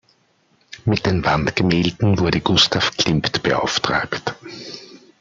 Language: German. Mit den Wandgemälden wurde Gustav Klimt beauftragt.